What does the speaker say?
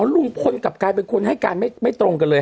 ลุงพลกลับกลายเป็นคนให้การไม่ตรงกันเลย